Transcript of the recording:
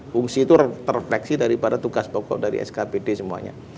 fungsi itu terfleksi daripada tugas pokok dari skpd semuanya